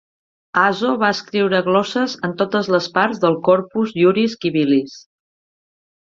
Azo va escriure glosses en totes les parts del "Corpus Iuris Civilis".